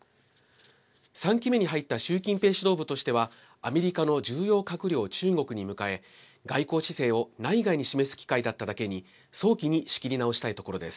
３期目に入った習近平指導部としてはアメリカの重要閣僚を中国に迎え外交姿勢を内外に示す機会だっただけに早期に仕切り直したいところです。